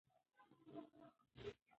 اسناد د مدیر لخوا په ډېر دقت سره کتل شوي دي.